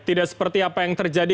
tidak seperti apa yang terjadi